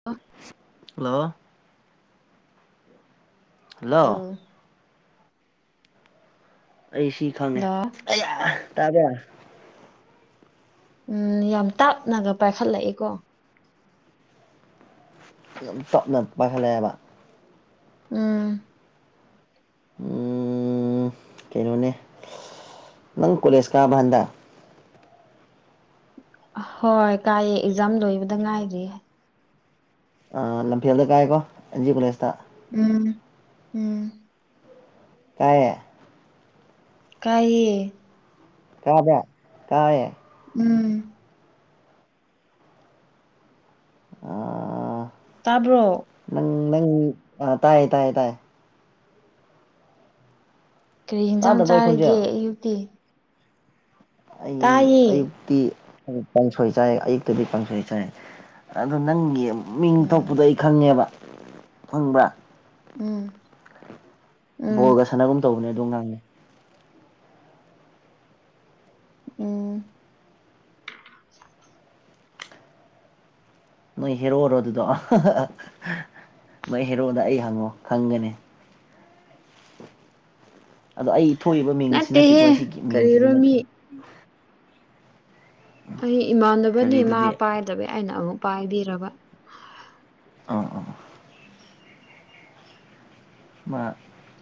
ꯑꯣ ꯍꯜꯂꯣ ꯑꯧ ꯍꯜꯂꯣ ꯑꯩ ꯁꯤ ꯈꯪꯉꯦ ꯍꯜꯂꯣ ꯑꯌꯥ ꯇꯕ꯭ꯔꯥ ꯎꯝ ꯌꯥꯝ ꯇꯞꯅꯒ ꯄꯥꯏꯈꯠꯂꯛꯏ ꯀꯣ ꯌꯥꯝ ꯇꯞꯅ ꯄꯥꯏꯈꯠꯂꯛꯑꯦꯕ ꯎꯝ ꯎꯝ ꯀꯩꯅꯣꯅꯦ ꯅꯪ ꯀꯣꯂꯦꯖ ꯀꯥꯕ ꯍꯟꯗꯛ ꯑ ꯍꯣꯏ ꯀꯥꯏꯌꯦ ꯑꯦꯛꯖꯥꯝ ꯂꯣꯏꯕꯗ ꯉꯥꯏꯔꯤꯌꯦ ꯑꯥ ꯂꯝꯐꯦꯜꯗ ꯀꯥꯏꯀꯣ ꯑꯦꯟ ꯖꯤ ꯀꯣꯂꯦꯖꯇ ꯎꯝ ꯎꯝ ꯇꯥꯏꯌꯦ ꯀꯥꯏꯌꯦ ꯀꯥꯕ꯭ꯔ ꯀꯥꯏꯌꯦ ꯎꯝ ꯑꯣ ꯇꯥꯕ꯭ꯔꯣ ꯅꯪ ꯅꯪ ꯑ ꯇꯥꯏꯌꯦ ꯇꯥꯏ ꯇꯥꯏ ꯀꯔꯤ ꯍꯟꯖꯥꯡ ꯇꯥꯗꯕ꯭ꯔꯣ ꯑꯩ ꯆꯥꯔꯒꯦ ꯈꯣꯟꯖꯦꯜ ꯑꯌꯨꯛꯇꯤ ꯑꯩ ꯇꯥꯏꯌꯦ ꯑꯌꯨꯛꯇꯤ ꯀꯥꯡꯁꯣꯏ ꯆꯥꯏ ꯑꯌꯨꯛꯇꯗꯤ ꯀꯥꯡꯁꯣꯏ ꯆꯥꯏ ꯑꯗꯨ ꯅꯪꯒꯤ ꯃꯤꯡ ꯎꯝ ꯊꯣꯛꯄꯗꯣ ꯑꯩ ꯈꯪꯉꯦꯕ ꯈꯪꯕ꯭ꯔꯥ ꯎꯝ ꯎꯝ ꯕꯣꯜꯒ ꯁꯥꯟꯅꯒꯨꯝ ꯇꯧꯕꯅꯦ ꯑꯗꯨꯝ ꯑꯉꯥꯡꯗꯣ ꯎꯝ ꯅꯣꯏ ꯍꯦꯔꯣꯔꯣ ꯑꯗꯨꯗꯣ ꯃꯣꯏ ꯍꯦꯔꯣꯗ ꯑꯩ ꯍꯪꯉꯣ ꯈꯪꯒꯅꯤ [inaudible] ꯑꯗꯣ ꯑꯩ ꯊꯣꯛꯏꯕ ꯃꯤꯡꯁꯤ ꯅꯠꯇꯦꯀꯣ ꯅꯠꯇꯦꯍꯦ ꯁꯤꯒꯤ ꯃꯤꯡꯁꯤꯗꯤ ꯀꯔꯤꯔꯣ ꯃꯤ ꯅꯠꯇꯦ ꯑꯩ ꯏꯃꯥꯟꯅꯕꯅꯦ ꯃꯥ ꯀꯔꯤꯗꯨꯗꯤ ꯄꯥꯏꯗꯕ ꯑꯩꯅ ꯑꯃꯨꯛ ꯄꯥꯏꯕꯤꯔꯕ ꯑꯥ ꯑꯥ ꯑꯥ ꯃꯥ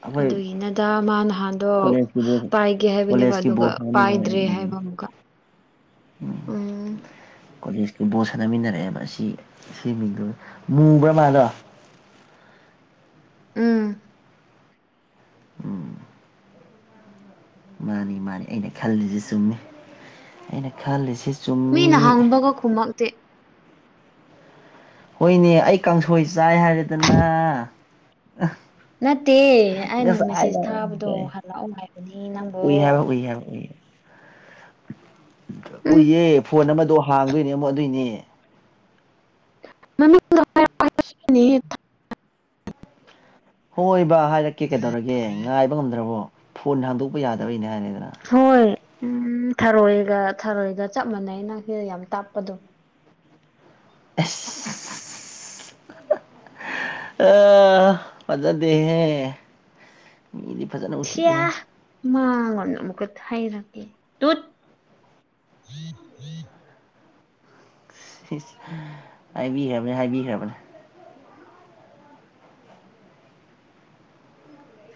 ꯑꯩꯈꯣꯏ ꯑꯗꯨꯒꯤꯅꯗꯥ ꯃꯥ ꯅꯍꯥꯟꯗꯣ ꯀꯣꯂꯦꯖꯀꯤ ꯕꯣꯜ ꯄꯥꯏꯒꯦ ꯍꯥꯏꯕꯅꯦꯕ ꯀꯣꯂꯦꯖꯀꯤ ꯑꯗꯨꯒ ꯕꯣꯜ ꯁꯥꯟꯅꯃꯤꯟꯅꯔꯦ ꯄꯥꯏꯗ꯭ꯔꯦ ꯍꯥꯏꯕ ꯑꯃꯨꯛꯀ [inaudible] ꯎꯝ ꯎꯝ [unintelligible] ꯕꯣꯜ ꯁꯥꯟꯅꯃꯤꯟꯅꯔꯛꯑꯦꯕ ꯑꯁꯤ ꯁꯤ ꯃꯤꯡꯗꯨ ꯃꯨꯕ꯭ꯔ ꯃꯥꯗꯣ ꯎꯝ ꯎꯝ ꯃꯥꯅꯤ ꯃꯥꯅꯤ ꯑꯩꯅ ꯈꯜꯂꯤꯁꯤ ꯆꯨꯝꯃꯤ ꯑꯩꯅ ꯈꯜꯂꯤꯁꯤ ꯃꯤꯅ ꯆꯨꯝꯃꯤ ꯍꯪꯕꯒ ꯈꯨꯝꯃꯛꯇꯦ ꯍꯣꯏꯅꯦ ꯑꯩ ꯀꯥꯡꯁꯣꯏ ꯆꯥꯏ ꯍꯥꯏꯔꯗꯅ ꯅꯠꯇꯦ ꯑꯩꯅ ꯃꯦꯁꯦꯁ ꯊꯥꯕꯗꯣ ꯍꯜꯂꯛꯑꯣ ꯍꯥꯏꯕꯅꯦ ꯅꯪꯕꯣ ꯏ ꯌꯥꯝ ꯑꯣꯏ ꯎꯝ ꯎꯏꯌꯦ ꯐꯣꯟ ꯑꯃꯗꯣ ꯍꯥꯡꯗꯣꯏꯅꯦ ꯑꯗꯨꯏꯅꯦ ꯃꯃꯤꯡ ꯑꯁ [unintelligible] [inaudible] ꯍꯣꯏ ꯕꯥ ꯍꯥꯏꯔꯛꯀꯦ ꯀꯩꯗꯧꯔꯒꯦ ꯉꯥꯏꯕ ꯉꯝꯗ꯭ꯔꯕꯣ ꯐꯣꯟ ꯍꯥꯡꯗꯣꯛꯄ ꯌꯥꯗꯕꯩꯅꯦ ꯍꯥꯏꯔꯦꯗꯅ ꯍꯣꯏ ꯎꯝ ꯊꯔꯣꯏꯒ ꯊꯔꯣꯏꯒ ꯆꯞ ꯃꯥꯟꯅꯩ ꯅꯪꯁꯦ ꯌꯥꯝ ꯇꯞꯄꯗꯣ [unintelligible] ꯑꯥ ꯐꯖꯥꯗꯦꯍꯦ ꯃꯤꯗꯤ ꯐꯖꯅ ꯎꯁꯤꯠꯇꯦꯍꯦ ꯃꯥ ꯉꯣꯟ ꯑꯃꯨꯛ ꯊꯩꯔꯛꯀꯦ ꯇꯨꯠ ꯏꯁ ꯍꯥꯏꯕꯤꯈ꯭ꯔꯕꯅꯦ ꯍꯥꯏꯕꯤꯈ꯭ꯔꯕꯅꯦ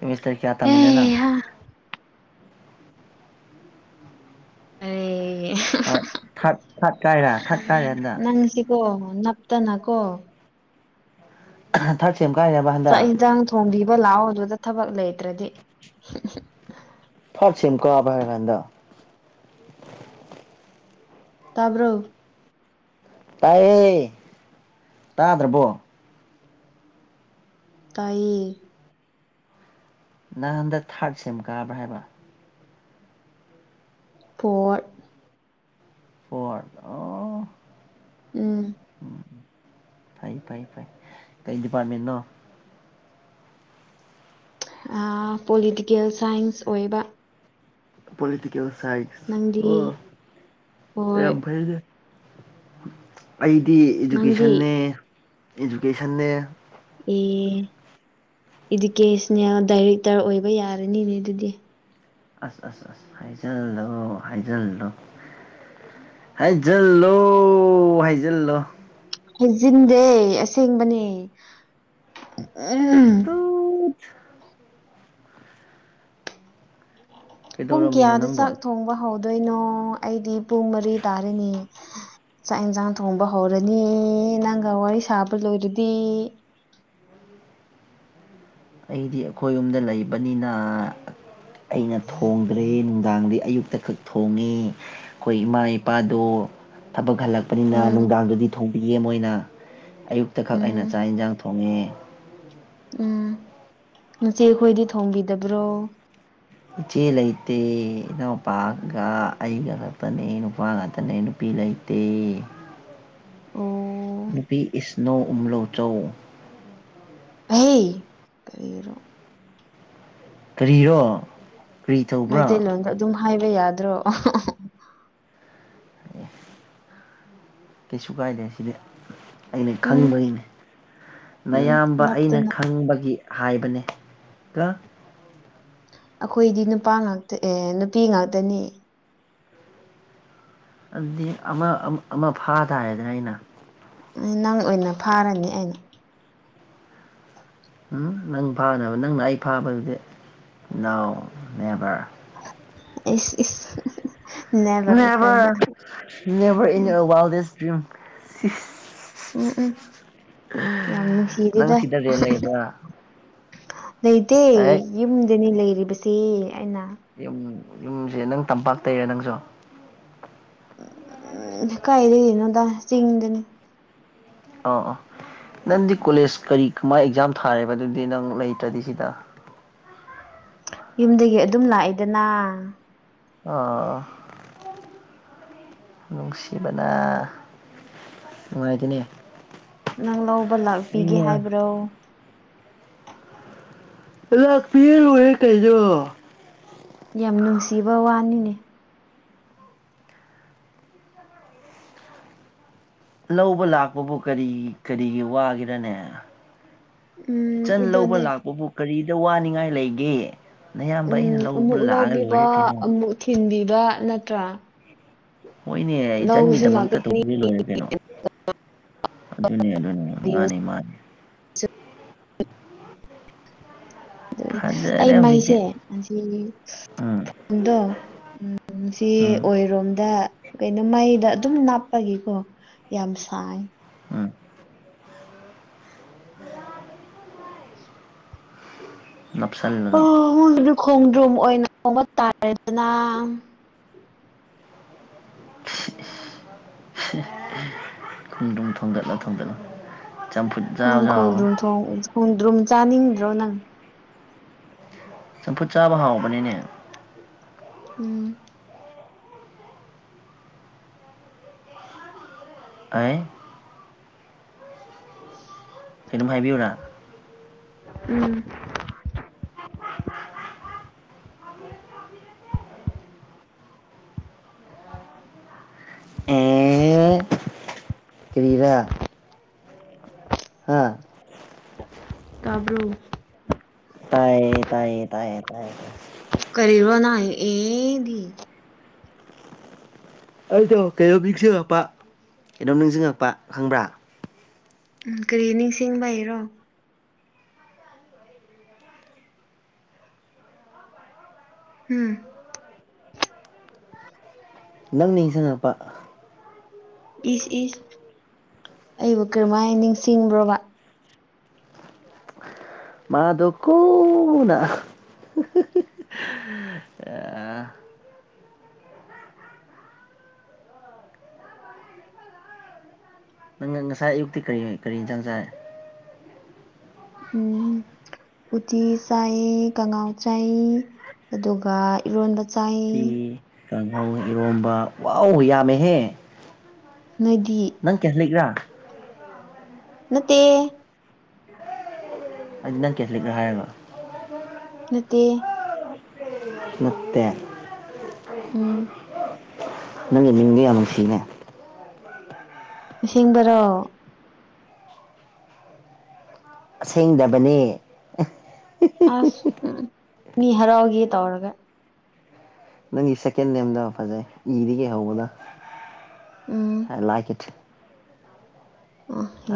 ꯁꯤꯃꯤꯁꯇꯔ ꯀꯌꯥ ꯇꯥꯃꯤꯅꯣ ꯅꯪ ꯑꯥ ꯑꯩ ꯊꯥꯔꯠ ꯊꯥꯔꯠ ꯊꯥꯔꯠ ꯀꯥꯏꯔꯥ ꯊꯥꯔꯠ ꯀꯥꯏꯔꯥ ꯍꯟꯗꯛ ꯑꯣ ꯅꯞꯇꯅ ꯀꯣ ꯊꯥꯔꯠ ꯁꯦꯝ ꯀꯥꯏꯔꯕ ꯆꯥꯛ ꯍꯟꯗꯛ ꯍꯤꯟꯖꯥꯡ ꯊꯣꯡꯕꯤꯕ ꯂꯥꯛꯑꯣ ꯑꯗꯨꯗ ꯊꯕꯛ ꯂꯩꯇ꯭ꯔꯗꯤ ꯐꯠ ꯁꯦꯝ ꯀꯥꯕ ꯍꯥꯏꯔ ꯍꯟꯗꯛ ꯇꯥꯕ꯭ꯔꯣ ꯇꯥꯌꯦ ꯇꯥꯗ꯭ꯔꯕꯣ ꯇꯥꯏꯌꯦ ꯅꯪ ꯍꯟꯗꯛ ꯊꯥꯔꯠ ꯁꯦꯝ ꯀꯥꯕ꯭ꯔꯥ ꯍꯥꯏꯕ ꯐꯣꯠ ꯐ꯭ꯔꯣꯠ ꯑꯣ ꯎꯝ ꯎꯝ ꯐꯩ ꯐꯩ ꯐꯩ ꯀꯩ ꯗꯤꯄꯥꯔꯠꯃꯦꯟꯅꯣ ꯍꯥ ꯄꯣꯂꯤꯇꯤꯀꯦꯜ ꯁꯥꯏꯟꯁ ꯑꯣꯏꯕ ꯄꯣꯂꯤꯇꯀꯦꯜ ꯁꯥꯏꯟꯁ ꯑꯣ ꯅꯪꯗꯤ ꯍꯣꯏ ꯌꯥꯝ ꯐꯩꯅꯦ ꯑꯩꯗꯤ ꯅꯪꯗꯤ ꯏꯗꯨꯀꯦꯁꯟꯅꯦ ꯏꯗꯨꯀꯦꯁꯟꯅꯦ ꯑꯦ ꯏꯗꯨꯀꯦꯁꯅꯦꯜ ꯗꯥꯏꯔꯦꯛꯇꯔ ꯑꯣꯏꯕ ꯌꯥꯔꯅꯤꯅꯦ ꯑꯗꯨꯗꯤ ꯑꯁ ꯑꯁ ꯑꯁ ꯍꯥꯏꯖꯤꯜꯂꯣ ꯍꯥꯏꯖꯤꯜꯂꯣ ꯍꯥꯏꯖꯤꯜꯂꯣ ꯍꯥꯏꯖꯜꯂꯣ ꯍꯩꯖꯤꯟꯗꯦ ꯑꯁꯦꯡꯕꯅꯦ ꯎꯝ ꯍ [unintelligible] ꯄꯨꯡ ꯀꯩꯗꯧꯔꯝꯃꯤꯅꯣ ꯀꯌꯥꯗ ꯅꯪꯕꯣ ꯆꯥꯛ ꯊꯣꯡꯕ ꯍꯧꯗꯣꯏꯅꯣ ꯑꯩꯗꯤ ꯄꯨꯡ ꯃꯔꯤ ꯇꯥꯔꯦꯅꯦ ꯆꯥꯛ ꯍꯤꯟꯖꯥꯡ ꯊꯣꯡꯕ ꯍꯧꯔꯅꯤ ꯅꯪꯒ ꯋꯥꯔꯤ ꯁꯥꯕ ꯂꯣꯏꯔꯗꯤ ꯑꯩꯗꯤ ꯑꯩꯈꯣꯏ ꯌꯨꯝꯗ ꯂꯩꯕꯅꯤꯅ ꯑꯩꯅ ꯊꯣꯡ ꯭ꯔꯦ ꯅꯨꯡꯗꯥꯡꯗꯤ ꯑꯌꯨꯛꯇ ꯈꯛ ꯊꯣꯡꯉꯤ ꯑꯩꯈꯣꯏ ꯏꯃꯥ ꯏꯄꯥꯗꯣ ꯊꯕꯛ ꯍꯜꯂꯛꯄ ꯄꯅꯤꯅ ꯎꯝ ꯅꯨꯡꯗꯥꯡꯗꯗꯤ ꯊꯣꯡꯕꯤꯌꯦ ꯃꯣꯏꯅ ꯑꯌꯨꯛꯇꯈꯛ ꯑꯩꯅ ꯎꯝ ꯆꯥꯛ ꯍꯤꯟꯖꯥꯡ ꯊꯣꯡꯉꯦ ꯎꯝ ꯅꯆꯦ ꯈꯣꯏꯗꯤ ꯊꯣꯡꯕꯤꯗꯕ꯭ꯔꯣ ꯏꯆꯦ ꯂꯩꯇꯦ ꯏꯅꯥꯎꯄꯥꯒ ꯑꯩꯒ ꯈꯛꯇꯅꯦ ꯅꯨꯄꯥ ꯈꯛꯇꯅꯦ ꯅꯨꯄꯤ ꯂꯩꯇꯦ ꯇꯤ ꯑꯣ ꯅꯨꯄꯤ ꯏꯁꯅꯣ ꯎꯝꯂꯧꯆꯧ ꯍꯩ ꯀꯔꯤꯔꯣ ꯀꯔꯤꯔꯣ ꯀꯔꯤ ꯇꯧꯕ꯭ꯔꯥ ꯃꯩꯇꯩꯂꯣꯟꯗ ꯑꯗꯨꯝ ꯍꯥꯏꯕ ꯌꯥꯗ꯭ꯔꯣ ꯀꯩꯁꯨ ꯀꯥꯏꯗꯦ ꯁꯤꯗꯤ ꯑꯩꯅ ꯎꯝ ꯈꯪꯕꯒꯤꯅꯤ ꯎꯝ ꯃꯌꯥꯝꯕ ꯑꯩꯅ ꯅꯞꯇꯅ ꯈꯪꯕꯒꯤ ꯍꯥꯏꯕꯅꯦ ꯀ ꯑꯩꯈꯣꯏꯗꯤ ꯅꯨꯄꯥ ꯉꯥꯛꯇ ꯑꯦ ꯅꯨꯄꯤ ꯉꯥꯛꯇꯅꯤ ꯑꯗꯨꯗꯤ ꯑꯃ ꯐꯝ ꯑꯃ ꯐꯥ ꯇꯗꯅ ꯑꯩꯅ ꯅꯪ ꯑꯣꯏꯅ ꯐꯥꯔꯅꯤ ꯑꯩꯅ ꯎ ꯅꯪ ꯐꯥꯅꯕ ꯅꯪꯅ ꯑꯩ ꯐꯥꯕꯗꯨꯗꯤ ꯅꯣ ꯅꯦꯕꯔ ꯑꯦꯁ ꯏꯁ ꯍꯍꯍꯍ ꯎꯝ [unintelligible] ꯎꯝ ꯎꯝ ꯌꯥꯝ ꯅꯪ ꯅꯨꯡꯁꯤꯔꯤꯗ ꯁꯤꯗ ꯔꯦꯟ ꯂꯩꯕ꯭ꯔꯥ ꯂꯩꯇꯦ ꯑꯩ ꯌꯨꯝꯗꯅꯤ ꯂꯩꯔꯤꯕꯁꯤ ꯑꯩꯅ ꯌꯨꯝ ꯌꯨꯝꯁꯦ ꯅꯪ ꯇꯝꯄꯥꯛꯇꯩꯔꯦ ꯅꯪꯁꯨ ꯎ ꯎꯝ ꯀꯥꯏꯔꯤꯅꯣꯗ ꯆꯤꯡꯗꯅꯤ ꯑꯣ ꯑꯣ ꯅꯪꯗꯤ ꯀꯣꯂꯦꯖ ꯀꯔꯤ ꯀꯃꯥꯏ ꯑꯦꯛꯖꯥꯝ ꯊꯥꯔꯦꯕ ꯑꯗꯨꯗꯤ ꯅꯪ ꯂꯩꯇ꯭ꯔꯗꯤ ꯁꯤꯗ ꯌꯨꯝꯗꯒꯤ ꯑꯗꯨꯝ ꯂꯥꯛꯏꯗꯅ ꯑꯣ ꯅꯨꯡꯁꯤꯕꯅ ꯅꯨꯡꯉꯥꯏꯗꯨꯅꯤ ꯅꯪ ꯂꯧꯕ ꯂꯥꯛꯄꯤꯒꯦ ꯍꯥꯏꯕ꯭ꯔꯣ [unintelligible] ꯌꯥꯝ ꯅꯨꯡꯁꯤꯕ ꯋꯥꯅꯤꯅꯦ ꯂꯧꯕ ꯂꯥꯛꯄꯕꯨ ꯀꯔꯤ ꯀꯔꯤꯒꯤ ꯋꯥꯒꯔꯅꯦ ꯎꯝ ꯆꯟ ꯂꯧꯕ ꯑꯗꯨꯅꯦ ꯂꯥꯛꯄꯕꯨ ꯀꯔꯤꯗ ꯋꯥꯅꯤꯡꯉꯥꯏ ꯂꯩꯒꯦ ꯅꯌꯥꯝꯕ ꯑꯩꯅ ꯎꯝ ꯂꯧꯕ ꯑꯃꯨꯛ ꯂꯥꯛꯑꯒ ꯂꯧꯕꯤꯕ ꯂꯣꯏꯔꯦ ꯀꯩꯅꯣ ꯑꯃꯨꯛ ꯊꯤꯟꯕꯤꯕ ꯅꯠꯇ꯭ꯔꯥ ꯍꯣꯏꯅꯦ ꯑꯩ ꯏ ꯂꯧꯕꯁꯨ ꯂꯥꯛ ꯆꯟꯒꯤꯗꯃꯛꯇ ꯇꯧꯕꯗꯤ ꯂꯣꯏꯔꯦ ꯀꯩꯅꯣ ꯑꯗꯨꯅꯤ ꯑꯗꯨꯅꯤ ꯃꯥꯅꯤ ꯃꯥꯅꯤ ꯑꯩ ꯐꯖꯔꯦ ꯍꯧꯖꯤꯛꯇꯤ ꯎꯝ ꯃꯩꯁꯦꯗꯣ ꯎꯝ ꯁꯤ ꯎꯝ ꯑꯣꯏꯔꯣꯝꯗ ꯀꯩꯅꯣ ꯃꯩꯗ ꯑꯗꯨꯝ ꯅꯅꯥꯞꯄꯒꯤꯀꯣ ꯌꯥꯝ ꯁꯥꯏ ꯎꯝ ꯅꯥꯞꯁꯥꯟꯕꯗꯣ ꯑꯣ ꯈꯣꯡꯗ꯭ꯔꯨꯝ ꯑꯣꯏꯅ ꯊꯣꯡꯕ ꯇꯥꯔꯦꯗꯅ ꯈꯣꯡꯗ꯭ꯔꯨꯝ ꯊꯣꯡꯒꯠꯂꯣ ꯊꯣꯡꯒꯠꯂꯣ ꯅꯪ ꯈꯣꯡꯗ꯭ꯔꯨꯝ ꯊꯣꯡ ꯈꯣꯡꯗ꯭ꯔꯨꯝ ꯆꯥꯅꯤꯡꯗ꯭ꯔꯣ ꯅꯪ ꯆꯝꯐꯨꯠ ꯆꯥꯕ ꯍꯥꯎꯕꯅꯤꯅꯦ ꯎꯝ ꯑꯩ ꯀꯩꯅꯣꯝ ꯍꯥꯏꯕꯤꯌꯨꯔꯥ ꯎꯝ ꯑꯦ ꯑꯦꯑꯥꯏ ꯀꯔꯤꯔꯥ ꯍꯥ ꯇꯕꯔꯣ ꯇꯥꯏꯌꯦ ꯇꯥꯏꯌꯦ ꯇꯥꯏꯌꯦ ꯇꯥꯏꯌꯦ ꯇꯥꯏ ꯀꯔꯤꯕ ꯅ ꯑꯦꯗꯤ ꯑꯩꯗꯣ ꯀꯩꯅꯣꯝ ꯅꯤꯡꯁꯤꯡꯉꯛꯄ ꯀꯩꯅꯣꯝ ꯅꯤꯡꯁꯤꯡꯉꯛꯄ ꯈꯪꯕ꯭ꯔꯥ ꯎꯝ ꯀꯔꯤ ꯅꯤꯡꯁꯤꯡꯕꯩ ꯔꯣ ꯎꯝ ꯅꯪ ꯅꯤꯡꯁꯤꯡꯉꯛꯄ ꯏꯁ ꯏꯁ ꯑꯩꯕꯨ ꯀꯔꯝꯍꯥꯏꯅ ꯅꯤꯡꯁꯤꯡꯕ꯭ꯔꯣꯕ ꯃꯥꯗꯣ ꯀꯣꯅ ꯑꯥ [inaudible] ꯅꯪ ꯉꯁꯥꯏ ꯑꯌꯨꯛꯇꯤ ꯀꯔꯤ ꯀꯔꯤ ꯌꯦꯟꯖꯥꯡ ꯆꯥꯢ ꯎꯝ ꯎꯇꯤ ꯆꯥꯏ ꯀꯪꯉꯥꯎ ꯆꯥꯏ ꯑꯗꯨꯒ ꯏꯔꯣꯟꯕ ꯆꯥꯏ ꯎꯇꯤ ꯀꯥꯡꯍꯧ ꯏꯔꯣꯝꯕ ꯋꯥꯎ ꯌꯥꯝꯃꯦꯍꯦ ꯅꯣꯢꯗꯤ ꯅꯪ ꯀꯦꯁ ꯂꯩꯒꯦꯔꯥ ꯅꯠꯇꯦ ꯅꯪ ꯀꯦꯁ ꯂꯩꯕ꯭ꯔꯥ ꯍꯥꯏꯔꯒ ꯅꯠꯇꯦ ꯅꯠꯇꯦ ꯎꯝ ꯅꯪꯒꯤ ꯃꯤꯡꯗꯤ ꯌꯥꯝ ꯅꯨꯡꯁꯤꯅꯦ ꯏꯁꯦꯡꯕꯔꯣ ꯑꯁꯦꯡꯗꯕꯅꯦ ꯑꯁ ꯃꯤ ꯍꯔꯥꯎꯒꯦ ꯇꯧꯔꯒ ꯅꯪꯒꯤ ꯁꯦꯀꯦꯟ ꯅꯦꯝꯗꯣ ꯐꯖꯩ ꯏꯗꯤ ꯀꯩ ꯍꯧꯕꯗꯣ ꯎꯝ ꯑꯥꯢ ꯂꯥꯏꯛ ꯏꯠ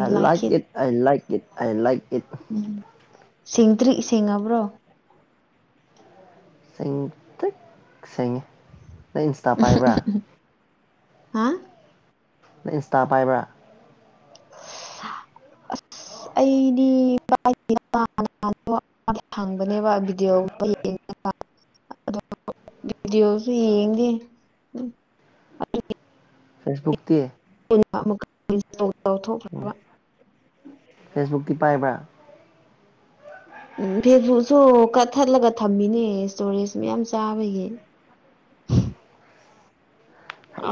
ꯑ ꯂꯥꯏꯛ ꯏꯠ ꯑ ꯂꯥꯏꯛ ꯏꯠ ꯑ ꯂꯥꯏꯛ ꯏꯠ ꯎꯝ ꯁꯦꯡꯗ꯭ꯔꯤ ꯁꯦꯡꯉꯕ꯭ꯔꯣ ꯁꯦꯡꯇ꯭ꯔꯤꯛ ꯁꯦꯡꯉꯦ ꯅꯪ ꯏꯟꯁꯇꯥ ꯄꯥꯏꯕ꯭ꯔꯥ ꯍꯥ ꯅꯪ ꯏꯟꯁꯇꯥ ꯄꯥꯏꯕ꯭ꯔꯥ ꯑꯁ ꯑꯩꯗꯤ ꯍꯪꯕꯅꯦꯕ ꯚꯤꯗꯤꯑꯣꯒꯨꯝꯕ ꯌꯦꯡꯅꯕ ꯚꯤꯗꯤꯑꯣꯁꯨ ꯌꯦꯡꯗꯦ ꯐꯦꯁꯕꯨꯛ ꯇꯤ ꯎꯝ [unintelligible] ꯐꯦꯁꯕꯨꯛꯇꯤ ꯄꯥꯏꯕ꯭ꯔꯥ ꯎꯝ ꯐꯦꯁꯕꯨꯛꯁꯨ ꯀꯠꯊꯠꯂꯒ ꯊꯝꯃꯤꯅꯦ ꯏꯁꯇꯣꯔꯦꯖ ꯃꯌꯥꯝ ꯆꯥꯕꯒꯤ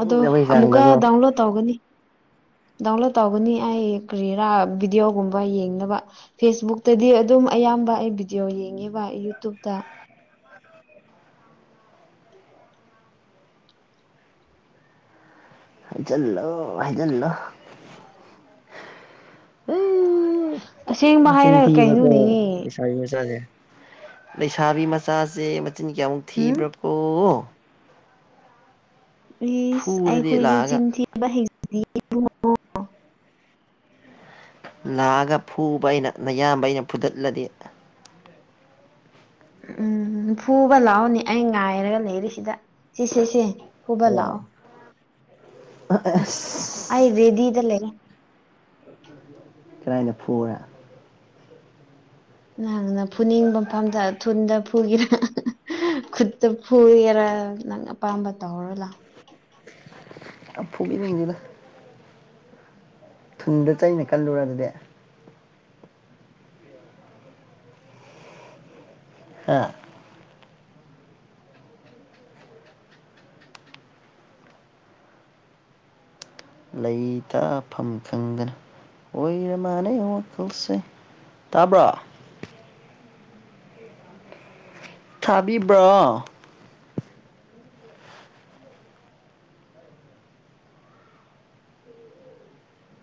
ꯑꯗꯣ ꯑꯃꯨꯛꯀ ꯆꯥꯡꯗꯀꯣ ꯗꯥꯎꯟꯂꯣꯗ ꯇꯧꯒꯅꯤ ꯗꯥꯎꯟꯂꯣꯗ ꯇꯧꯒꯅꯤ ꯑꯩ ꯀ꯭ꯔꯤꯔꯥ ꯚꯤꯗꯤꯑꯣꯒꯨꯝꯕ ꯌꯦꯡꯅꯕ ꯐꯦꯁꯕꯨꯛꯇꯗꯤ ꯑꯗꯨꯝ ꯑꯌꯥꯝꯕ ꯑꯩ ꯚꯤꯗꯤꯑꯣ ꯌꯦꯡꯉꯦꯕ ꯌꯨꯇꯨꯕꯇ ꯍꯥꯏꯖꯜꯂꯣ ꯍꯥꯏꯖꯜꯂꯣ ꯑꯦ ꯀꯌꯥꯃꯨꯛ ꯑꯁꯦꯡꯕ ꯃꯆꯤꯟ ꯍꯥꯏꯔꯒ ꯊꯤꯕꯗꯣ ꯀꯩꯅꯣꯅꯦ ꯂꯩꯁꯥ ꯂꯩꯁꯥꯕꯤ ꯃꯆꯥꯖꯦ ꯂꯩꯁꯥꯕꯤ ꯃꯆꯥꯖꯦ ꯃꯆꯤꯟ ꯀꯌꯥꯃꯨꯛ ꯎꯝ ꯊꯤꯕ꯭ꯔꯀꯣ ꯐꯨꯔꯗꯤ ꯑꯩꯈꯣꯏꯗꯤ ꯂꯥꯛꯑꯒ ꯆꯤꯟ ꯊꯤꯕ ꯍꯩꯇꯦ ꯂꯥꯛꯑꯒ ꯐꯨꯕ ꯑꯩꯅ ꯅꯌꯥꯝꯕ ꯑꯩꯅ ꯐꯨꯗꯠꯂꯗꯤ ꯎꯝ ꯐꯨꯕ ꯂꯥꯛꯑꯣꯅꯦ ꯑꯩ ꯉꯥꯏꯔꯒ ꯂꯩꯔꯦꯁꯤꯗ ꯁꯤꯁꯦꯁꯦ ꯃꯌꯥ ꯑꯁ ꯑꯩ ꯔꯦꯗꯤꯗ ꯂꯩ ꯀꯔꯥꯏꯗ ꯐꯨꯒꯦ ꯅꯪ ꯐꯨꯅꯤꯡꯕ ꯃꯐꯝꯗ ꯊꯨꯟꯗ ꯐꯨꯒꯤꯔ ꯈꯨꯠꯇ ꯐꯨꯌꯦꯔ ꯅꯪ ꯑꯄꯥꯝꯕ ꯇꯧꯔꯣ ꯂꯥꯛꯑꯣ [inaudible] ꯐꯨꯒꯤ ꯅꯤꯡꯁꯤꯗ ꯊꯨꯟꯗ ꯆꯩꯅ ꯀꯜꯂꯨꯔ ꯑꯗꯨꯗꯤ ꯍꯥ ꯏ ꯇꯥꯐꯝ ꯈꯪꯗꯅ ꯑꯣꯏꯔ ꯃꯥꯅꯦ ꯋꯥꯈꯜꯁꯦ ꯇꯥꯕ꯭ꯔꯣ ꯊꯥꯕꯤꯕ꯭ꯔꯣ